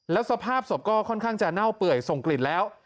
แล้วสภาพศพก็ค่อนข้างจะเน่าเปื่อยส่งกลิ่นแล้ว